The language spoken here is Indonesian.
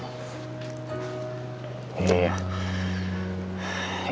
tiba tiba dia berurusan sama lo